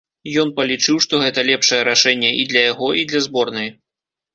Ён палічыў, што гэта лепшае рашэнне і для яго, і для зборнай.